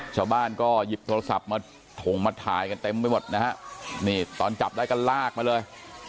ชาวบ้านก็หยิบโทรศัพท์มาถงมาถ่ายกันเต็มไปหมดนะฮะนี่ตอนจับได้ก็ลากมาเลย